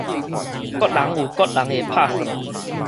各人有各人个拍算